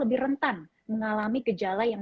lebih rentan mengalami gejala yang